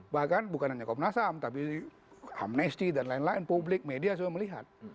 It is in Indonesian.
bahkan bukan hanya komnas ham tapi amnesti dan lain lain publik media sudah melihat